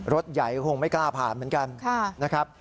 รถใหญ่ก็คงไม่กล้าผ่านเหมือนกันนะครับ